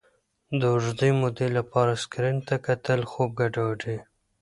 د اوږدې مودې لپاره سکرین ته کتل خوب ګډوډوي.